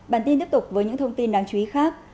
bản tin tiếp tục với những thông tin đáng chú ý khác